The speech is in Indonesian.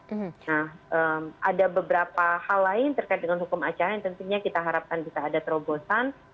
nah ada beberapa hal lain terkait dengan hukum acara yang tentunya kita harapkan bisa ada terobosan